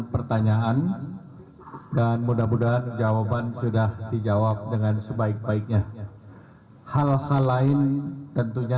pertanyaan dan mudah mudahan jawaban sudah dijawab dengan sebaik baiknya hal hal lain tentunya